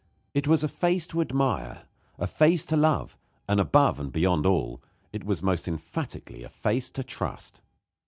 It was a face to admire, a face to love, and, above and beyond all, it was most emphatically a face to trust.